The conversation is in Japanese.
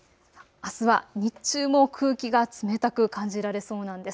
あすは日中も空気が冷たく感じられそうなんです。